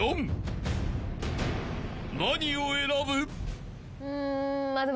［何を選ぶ？］